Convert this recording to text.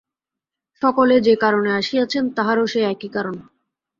সকলে যে কারণে আসিয়াছেন তাহারও সেই একই কারণ।